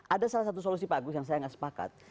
ada salah satu solusi pak agus yang saya nggak sepakat